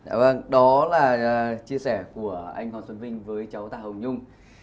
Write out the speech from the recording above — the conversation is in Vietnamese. ừ đúng đó là chia sẻ của anh hoàng sơn vinh với cháu ta hồng nhung